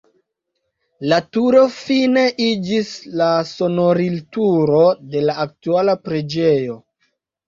La turo fine iĝis la sonorilturo de la aktuala preĝejo.